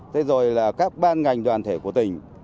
thế rồi là các ban ngành đoàn thể của tỉnh